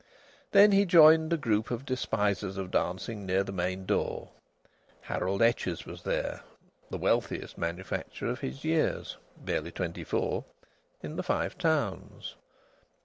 Then he joined a group of despisers of dancing near the main door. Harold Etches was there, the wealthiest manufacturer of his years (barely twenty four) in the Five Towns.